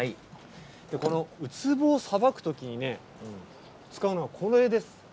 このウツボをさばくときにね、使うのがこれです。